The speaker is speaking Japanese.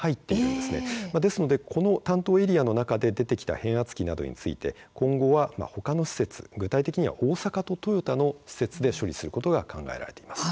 ですので、この担当エリアの中で出てきた変圧器などについて今後は、ほかの施設具体的には大阪と豊田の施設で処理することが考えられています。